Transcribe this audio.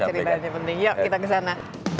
ceritanya penting yuk kita ke sana